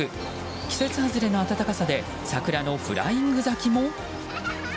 季節外れの暖かさで桜のフライング咲きも？